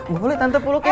gue boleh tantep lu kayak